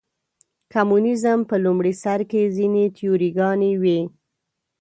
کمونیزم په لومړي سر کې ځینې تیوري ګانې وې.